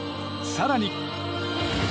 更に。